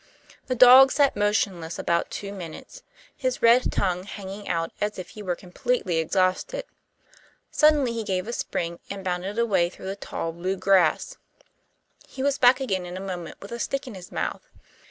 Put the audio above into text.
The dog sat motionless about two minutes, his red tongue hanging out as if he were completely exhausted. Suddenly he gave a spring, and bounded away through the tall blue grass. He was back again in a moment, with a stick in his mouth.